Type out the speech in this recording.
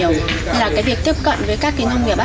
em thấy nông nghiệp chỉ cần tiếp cận với công nghệ cao nhiều hơn